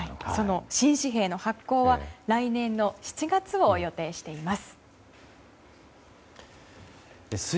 新紙幣の発行は来年の７月を予定しています。